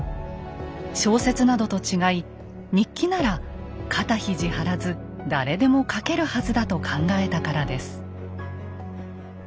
小説などと違い日記なら肩肘張らず誰でも書けるはずだと考えたからです。